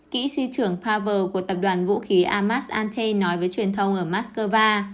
kỹ sư trưởng power của tập đoàn vũ khí amas ante nói với truyền thông ở moscow